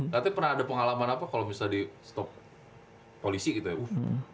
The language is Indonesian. nanti pernah ada pengalaman apa kalau misalnya di stop polisi gitu ya